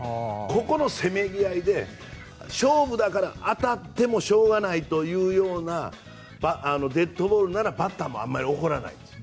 ここのせめぎ合いで勝負だから当たってもしょうがないというようなデッドボールならバッターもあまり怒らないです。